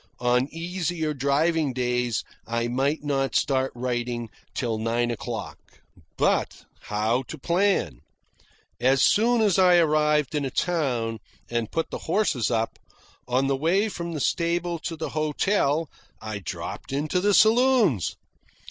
On easier driving days I might not start writing till nine o'clock. But how to plan? As soon as I arrived in a town, and put the horses up, on the way from the stable to the hotel I dropped into the saloons.